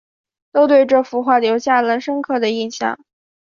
都对这幅画留下了深刻的印象